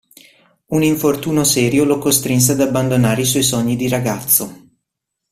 Un infortunio serio lo costrinse ad abbandonare i suoi sogni di ragazzo.